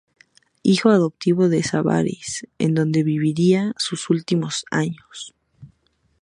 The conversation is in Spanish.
Hijo adoptivo de Sabarís, en donde viviría sus últimos años.